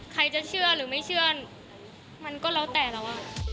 ใครจะเชื่อหรือไม่เชื่อมันก็แล้วแต่เรา